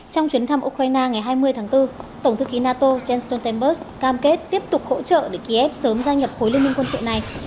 trong chuyến thăm ukraine ngày hai mươi tháng bốn tổng thư ký nato jens stoltenberg cam kết tiếp tục hỗ trợ để kiev sớm gia nhập khối liên minh quân sự này